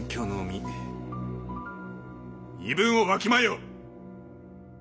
身分をわきまえよ！